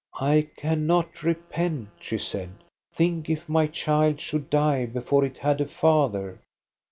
" I cannot repent," she said ;" think if my child should die before it had a father."